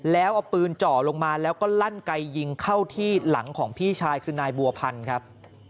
แล้วเอาปืนจ่อลงมาแล้วก็ลั่นไกยิงเข้าที่หลังของพี่ชายคือนายบัวพันธ์ครับ